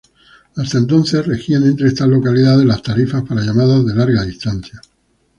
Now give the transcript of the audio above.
Hasta entonces, regían entre esas localidades las tarifas para llamadas de larga distancia.